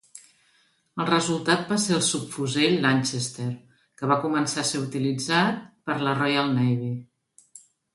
El resultat va ser el subfusell Lanchester, que va començar a ser utilitzat per la Royal Navy.